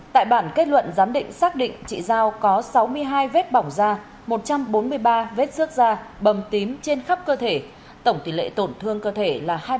tại bản kết luận giám định xác định chị giao có sáu mươi hai vết bỏng da một trăm bốn mươi ba vết rước da bầm tím trên khắp cơ thể tổng tỷ lệ tổn thương cơ thể là hai mươi